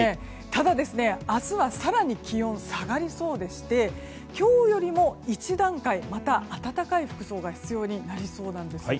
ただ、明日は更に気温が下がりそうでして今日よりも１段階また暖かい服装が必要になりそうなんです。